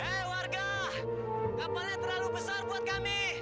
eh warga kapalnya terlalu besar buat kami